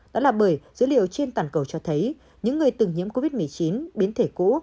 đó là bởi dữ liệu trên toàn cầu cho thấy những người từng nhiễm covid một mươi chín biến thể cũ